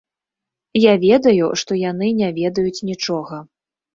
Я ведаю, што яны не ведаюць нічога.